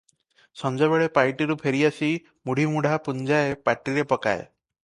ସଞ୍ଜବେଳେ ପାଇଟିରୁ ଫେରିଆସି ମୁଢ଼ିମୁଢ଼ା ପୁଞ୍ଜାଏ ପାଟିରେ ପକାଏ ।